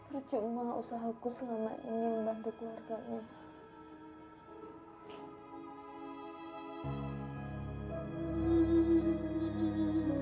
percuma usahaku selama ini membantu keluarganya